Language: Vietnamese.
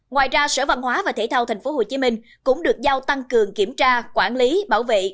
ngoài ra sở văn hóa và thể thao tp hcm cũng được giao tăng cường kiểm tra quản lý bảo vệ